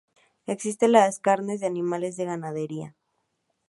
Existen las carnes de animales de ganadería.